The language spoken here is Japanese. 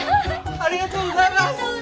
ありがとうございます！